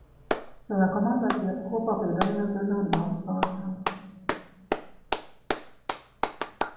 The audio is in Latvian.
Šajā komandā kopā piedalījās dažādu valstu pārstāvji.